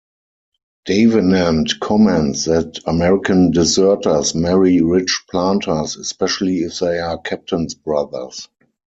Davenant comments that American deserters marry rich planters, especially if they are captain's brothers.